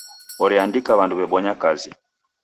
Oreandika w'andu w'ebonya kazi.